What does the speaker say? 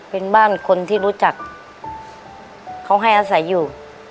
เป็นบ้านคนที่รู้จักเขาให้อาศัยอยู่